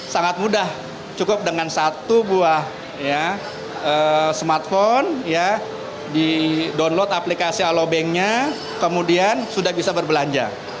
sangat mudah cukup dengan satu buah smartphone di download aplikasi alobanknya kemudian sudah bisa berbelanja